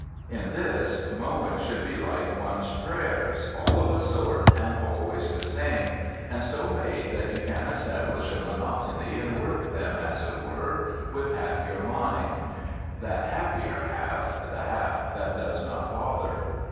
In this mowing should be like one's prayers all of a sort and always the same, and so made that you can establish a monotony and work them, as it were, with half your mind: that happier half, the half that does not bother.